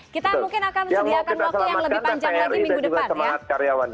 kita mungkin akan menyediakan waktu yang lebih panjang lagi minggu depan ya